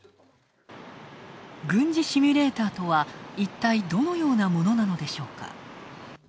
軍事シミュレーターとは一体どのようなものなのでしょうか。